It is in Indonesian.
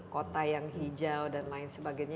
kota yang hijau dan lain sebagainya